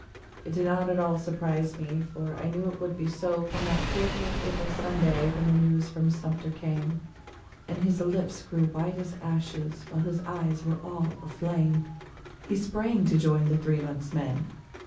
It did not at all surprise me, for I knew it would be so, From that fearful April Sunday when the news from Sumter came. And his lips grew white as ashes, while his eyes were all aflame. 76 THE LAST OF SIX He sprang to join the three months' men.